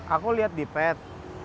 aku liat di pet